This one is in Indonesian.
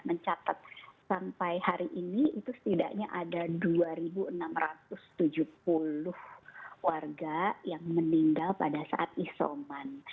mencatat sampai hari ini itu setidaknya ada dua enam ratus tujuh puluh warga yang meninggal pada saat isoman